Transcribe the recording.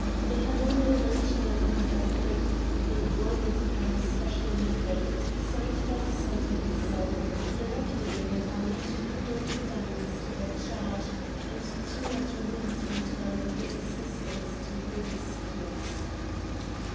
They had only reached London that night, and they bore with them a special mandate, signed by the Sultan himself, directing Mehemet Ali to hand over the diamonds to their charge, and to at once return with his assistants to Yildiz Kiosk.